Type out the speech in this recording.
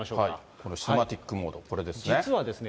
このシネマティックモード、これですね。